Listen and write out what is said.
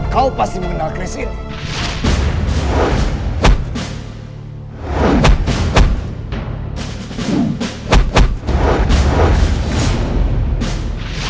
kau pasti mengenal chris ini